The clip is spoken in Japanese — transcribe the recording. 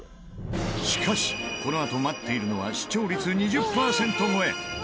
しかしこのあと待っているのは視聴率２０パーセント超え！